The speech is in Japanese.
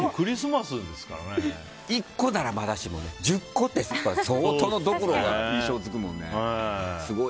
１個ならまだしも１０個って相当のドクロが印象付くもんね。